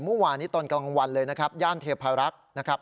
เมื่อวานนี้ตอนกลางวันเลยนะครับย่านเทพารักษ์นะครับ